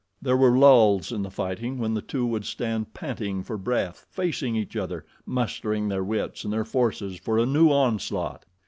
There were lulls in the fighting when the two would stand panting for breath, facing each other, mustering their wits and their forces for a new onslaught.